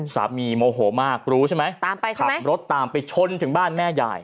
สามีโมโหมากรู้ใช่ไหมขับรถตามไปชนถึงบ้านแม่ยาย